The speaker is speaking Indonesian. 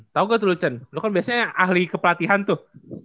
tau gak tuh lucen lu kan biasanya ahli kepelatihan tuh